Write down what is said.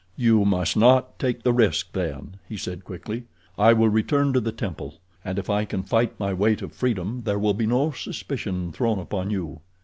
"You must not take the risk, then," he said quickly. "I will return to the temple, and if I can fight my way to freedom there will be no suspicion thrown upon you."